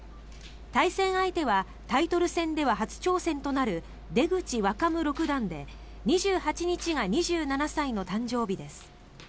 対戦相手はタイトル戦では初挑戦となる出口若武六段で２８日が２７歳の誕生日です。